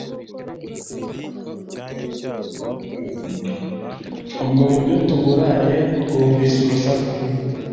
ubwo mu buryo butunguranye twumvise urusaku